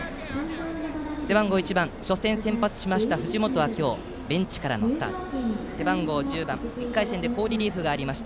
背番号１番、初戦先発した藤本は今日ベンチからのスタート。